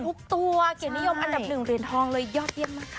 เอทุบตัวเกลียดนิยมอันดับหนึ่งเรียนทองเลยยอดเยี่ยมมากค่ะ